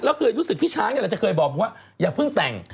แล้วรู้สึกว่าพี่ช้างจะเคยบอกหกว่าอย่าเพิ่งแต่ง